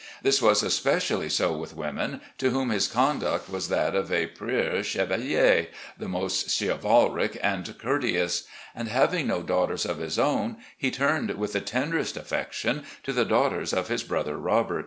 This was especially so with women, to whom his conduct was that of a preux chevalier, the most chivalric and cour teous; and, having no daughters of his own, he turned with the tenderest affection to the daughters of his brother Robert."